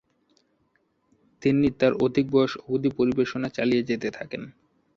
তিনি তাঁর অধিক বয়স অবধি পরিবেশনা চালিয়ে যেতে থাকেন।